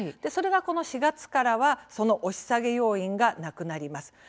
それが、この４月からはその押し下げ要因がなくなります。